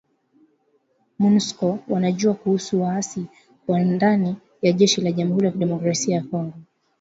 Monusco wanajua kuhusu waasi kuwa ndani ya jeshi la jamhuri ya kidemokrasia ya Kongo